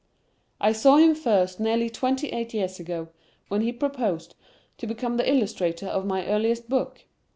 I saw him first nearly twenty eight years ago, when he proposed to become the illustrator of my earliest book.